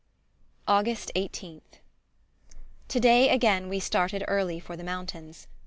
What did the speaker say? August 18th. Today again we started early for the mountains.